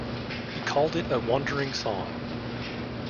He called it a wandering song.